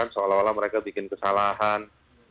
seolah olah mereka bikin kesalahan